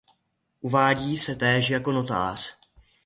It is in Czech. Uvádí se též jako notář.